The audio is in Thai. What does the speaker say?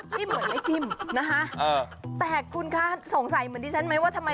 ที่เหมือนละคริมนะคะแต่คุณคะสงสัยเงา